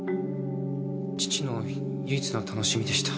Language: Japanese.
父の唯一の楽しみでした。